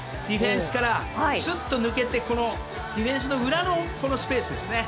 ディフェンスからスッと抜けてディフェンスの裏のスペース。